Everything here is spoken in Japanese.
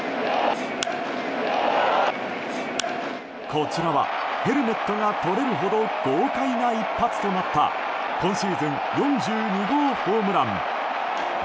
こちらはヘルメットが取れるほど豪快な一発となった今シーズン４２号ホームラン。